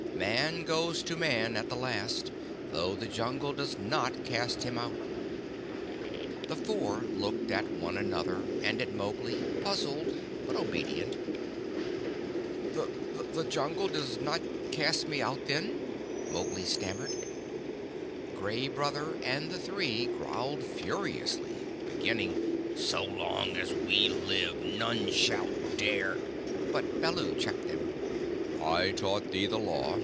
"Man goes to Man at the last, though the Jungle does not cast him out." The Four looked at one another and at Mowgli, puzzled but obedient. "The Jungle does not cast me out, then?" Mowgli stammered. Gray Brother and the Three growled furiously, beginning, "So long as we live none shall dare " But Baloo checked them. "I taught thee the Law.